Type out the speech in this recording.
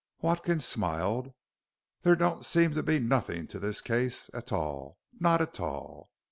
Watkins smiled. "There don't seem to be nothin' to this case a tall not a tall.